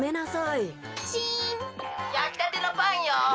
やきたてのパンよ。